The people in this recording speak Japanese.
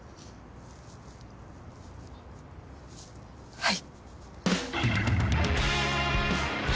はい。